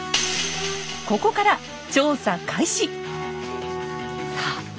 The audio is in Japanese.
ここから調査開始！